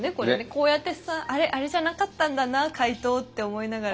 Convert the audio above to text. こうやって「あれ？あれじゃなかったんだな回答」って思いながらやる。